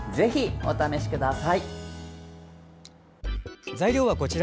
お試しください。